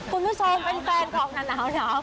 คุณผู้ชมเป็นแฟนของหนาว